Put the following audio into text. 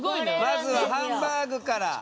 まずはハンバーグから。